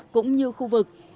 cũng như khu vực